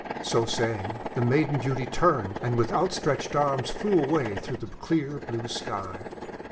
" So saying, the Maiden Beauty turned, and, with outstretched arms, flew away through the clear blue sky.